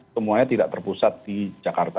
semuanya tidak terpusat di jakarta